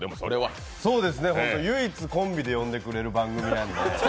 唯一コンビで呼んでくれる番組なんで。